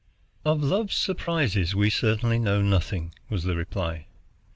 "Of love's surprises we certainly know nothing," was the reply.